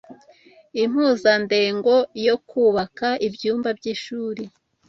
Impuzandengo yo kubaka ibyumba by'ishuri